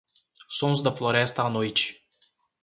Sons da floresta à noite